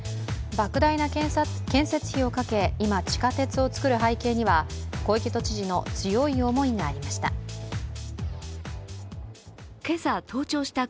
ばく大な建設費をかけ、今、地下鉄を造る背景には小池都知事の強い思いがありました。